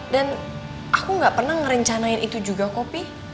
dan aku gak pernah ngerencanain itu juga kok pi